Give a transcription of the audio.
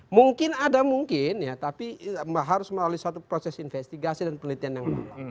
mungkin ada mungkin ya tapi harus melalui satu proses investigasi dan penelitian yang